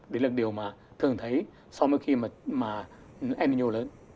đấy là điều mà thường thấy sau khi mà nno lớn